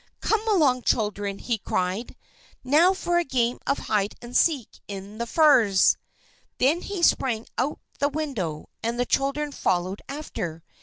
"Come along, children!" he cried. "Now for a game of hide and seek in the furze!" Then he sprang out the window, and the children followed after.